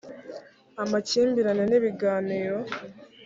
amakimbirane ni ibiganiro